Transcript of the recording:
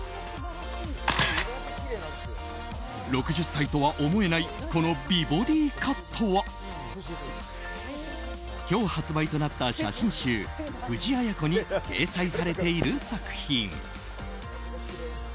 ６０歳とは思えないこの美ボディーカットは今日発売となった写真集「ＦＵＪＩＡＹＡＫＯ」に掲載されている作品。